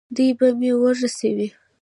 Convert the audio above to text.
دوی به مې ورسوي.